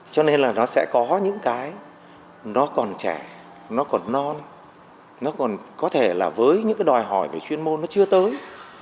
cho nên là nó sẽ có những cái nó còn trẻ nó còn non nó còn có thể là với những cái đòi hỏi về chuyên môn nó chưa tới